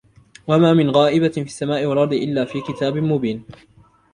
وما من غائبة في السماء والأرض إلا في كتاب مبين